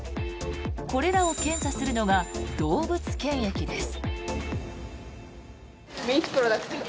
これらを検査するのが動物検疫です。